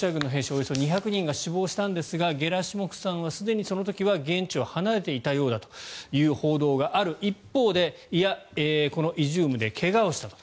およそ２００人が死亡したんですがゲラシモフさんはすでにその時は現地を離れていたようだという報道がある一方でいや、イジュームで怪我をしたと。